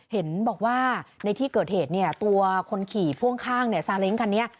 เห็นบอกว่าในที่เกิดเหตุเนี่ยตัวคนขี่พ่วงข้างซาเล้งคันนี้